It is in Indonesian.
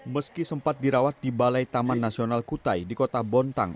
meski sempat dirawat di balai taman nasional kutai di kota bontang